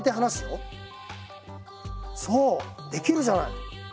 そうできるじゃない！